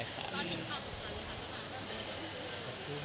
ก็มีความตกกันครับสามารถไม่ตกกัน